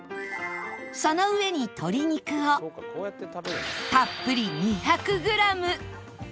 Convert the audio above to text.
その上に鶏肉をたっぷり２００グラム